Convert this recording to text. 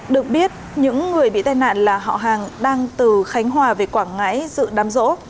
được biết những người bị tai nạn là họ hàng đang từ khánh hòa về quảng ngãi dự đám rỗ